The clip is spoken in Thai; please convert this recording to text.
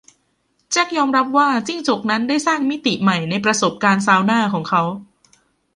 แจ็คยอมรับว่าจิ้งจกนั้นได้สร้างมิติใหม่ในประสบการณ์ซาวน่าของเขา